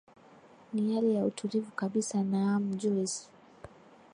ni yale ya utulivu kabisa naam joyce